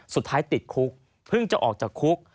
สุดท้ายติดคุกเพิ่งจะออกจากคุก